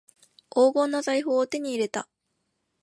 黄金の財宝を手に入れた